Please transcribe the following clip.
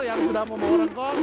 yang sudah membawa rengkong